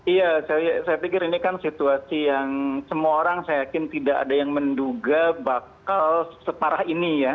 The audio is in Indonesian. iya saya pikir ini kan situasi yang semua orang saya yakin tidak ada yang menduga bakal separah ini ya